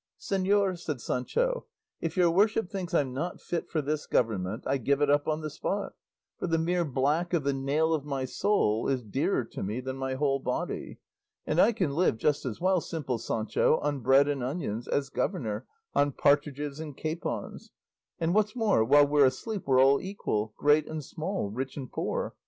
"Señor," said Sancho, "if your worship thinks I'm not fit for this government, I give it up on the spot; for the mere black of the nail of my soul is dearer to me than my whole body; and I can live just as well, simple Sancho, on bread and onions, as governor, on partridges and capons; and what's more, while we're asleep we're all equal, great and small, rich and poor.